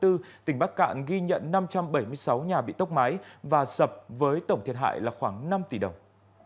tỉnh bắc cạn ghi nhận năm trăm bảy mươi sáu nhà bị tốc mái và sập với tổng thiệt hại là khoảng năm tỷ đồng